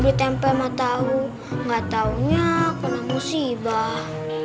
ditempel matahari enggak taunya kena musibah